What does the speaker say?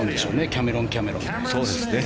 キャメロン、キャメロン。